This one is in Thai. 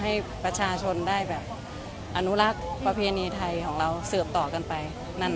ให้ประชาชนได้อนุรักษ์ประเภณีไทยสืบต่อกันไปนาน